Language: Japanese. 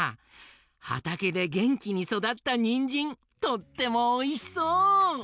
はたけでげんきにそだったにんじんとってもおいしそう！